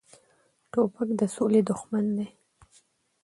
توپک د سولې دښمن دی.